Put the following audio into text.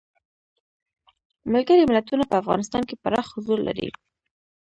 ملګري ملتونه په افغانستان کې پراخ حضور لري.